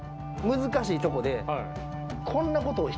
難しいとこでこんな事を。